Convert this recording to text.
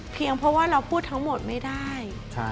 เพราะว่าเราพูดทั้งหมดไม่ได้